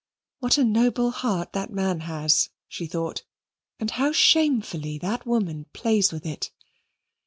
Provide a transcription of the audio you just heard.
"What a noble heart that man has," she thought, "and how shamefully that woman plays with it!"